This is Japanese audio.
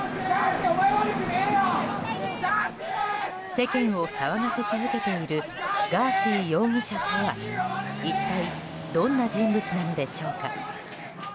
世間を騒がせ続けているガーシー容疑者とは一体どんな人物なのでしょうか。